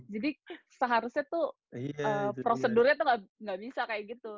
jadi seharusnya tuh prosedurnya tuh gak bisa kayak gitu